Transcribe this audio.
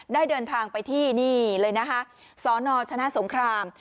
ได้เดินทางไปที่นี่เลยนะคะสนชนะสงคราม